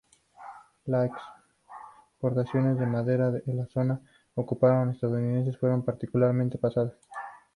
Las exportaciones de madera de la zona de ocupación estadounidense fueron particularmente pesadas.